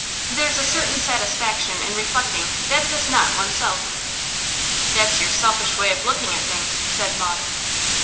There's a certain satisfaction in reflecting that it is not oneself.' 'That's your selfish way of looking at things,' said Maud.